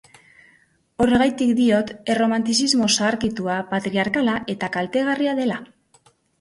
Horregatik diot erromantizismo zaharkitua, patriarkala eta kaltegarria dela.